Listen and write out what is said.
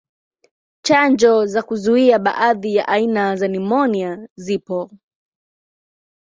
Chanjo za kuzuia baadhi ya aina za nimonia zipo.